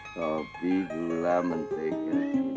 kopi gula mentega